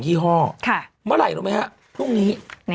ี่ห้อเมื่อไหร่รู้ไหมฮะพรุ่งนี้